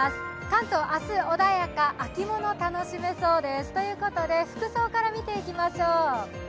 関東、明日、穏やか、秋物楽しめそうですということで、服装から見ていきましょう。